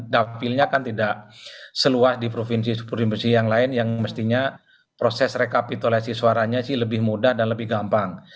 dapilnya kan tidak seluas di provinsi provinsi yang lain yang mestinya proses rekapitulasi suaranya sih lebih mudah dan lebih gampang